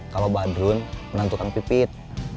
kalau badrun menantu kang pipit